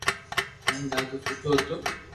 ھين ڌاڌو سٺو ھتو